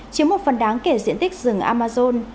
chiếm một phần đáng kể diện tích rừng amazon